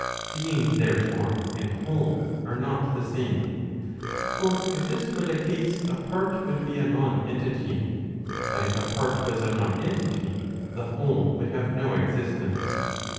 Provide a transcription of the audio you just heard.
Being, therefore, and whole are not the same. For if this were the case, a part would be a non entity. But if a part was a non entity, the whole would have no existence.